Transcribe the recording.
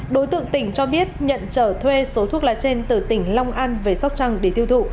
đối tượng tỉnh cho biết nhận trở thuê số thuốc lá trên từ tỉnh long an về sóc trăng để tiêu thụ